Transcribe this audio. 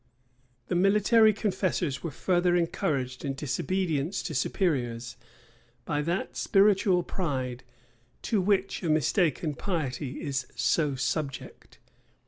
The military confessors were further encouraged in disobedience to superiors, by that spiritual pride to which a mistaken piety is so subject.